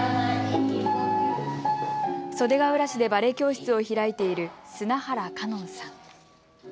袖ケ浦市でバレエ教室を開いている砂原伽音さん。